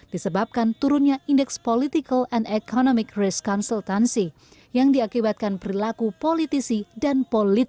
disebabkan turunnya indeks political and economic policy